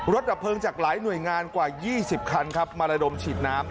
ดับเพลิงจากหลายหน่วยงานกว่า๒๐คันครับมาระดมฉีดน้ำ